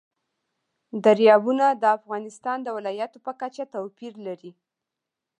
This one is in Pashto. دریابونه د افغانستان د ولایاتو په کچه توپیر لري.